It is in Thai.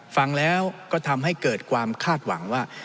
ฟังแล้วก็ทำให้เกิดความคาดหวังว่า